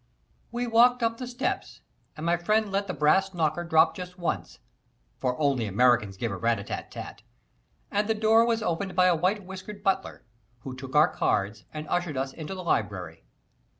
We walked up the steps, and my friend let the brass knocker drop just once, for only Americans give a rat a tat tat, and the door was opened by a white whiskered butler, who took our cards and ushered us into the library.